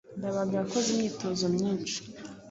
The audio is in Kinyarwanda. Ndabaga yakoze imyitozo myinshi